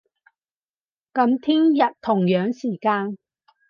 噉聽日，同樣時間